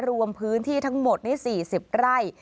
รวมพื้นที่ทั้งหมดนี้๔๐ไร่